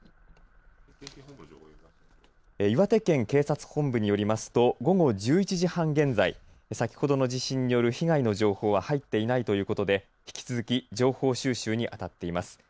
岩手県警察本部によりますと午後１１時半現在先ほどの地震による被害の情報は入っていないということで引き続き情報収集にあたっています。